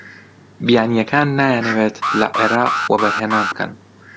بیانییەکان نایانەوێت لە عێراق وەبەرهێنان بکەن.